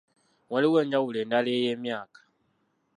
Waliwo enjawulo endala ey'emyaka.